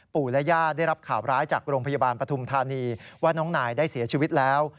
ญาติได้รับข่าวร้ายจากโรงพยาบาลปฐุมธานีว่าน้องนายได้เสียชีวิตแล้ว